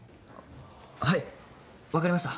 はいわかりました